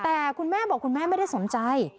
แต่คุณแม่บอกคุณแม่ไม่ได้สนใจ